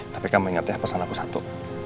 tapi kamu ingat ya pesan aku satu